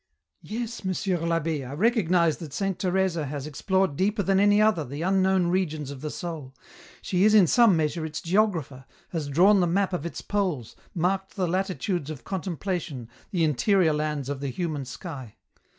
" Yes, Monsieur I'Abbe, I recognize that Saint Teresa has explored deeper than any other the unknown regions of the soul ; she is in some measure its geographer, has drawn the map of its poles, marked the latitudes of contemplation, the interior lands of the human sky.